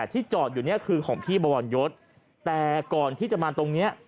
ที่จอดอยู่เนี่ยคือของพี่บวรยศแต่ก่อนที่จะมาตรงเนี้ย